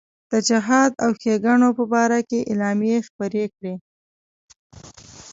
د جهاد او ښېګڼو په باره کې اعلامیې خپرې کړې.